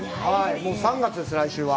もう３月です、来週は。